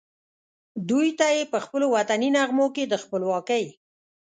دوی ته یې پخپلو وطني نغمو کې د خپلواکۍ